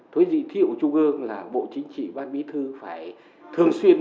thế thì thí hữu trung gương là bộ chính trị ban bí thư phải thường xuyên